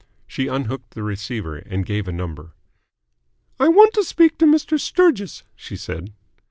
She unhooked the receiver, and gave a number. "I want to speak to Mr. Sturgis," she said.